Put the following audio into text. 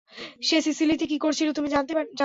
সে সিসিলিতে কী করছিল তুমি জানতে না?